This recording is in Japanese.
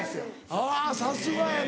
あぁさすがやな。